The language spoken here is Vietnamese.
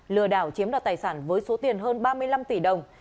lừa đảo chiếm đoạt tài sản với số tiền hơn ba mươi năm tỷ đồng